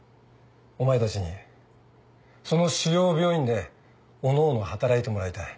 お前たちにその主要病院でおのおの働いてもらいたい